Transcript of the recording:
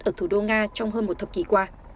ở thủ đô nga trong hơn một thập kỷ qua